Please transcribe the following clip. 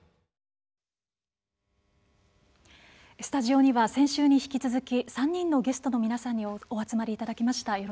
スタジオには先週に引き続き３人のゲストの皆さんにお集まりいただきました。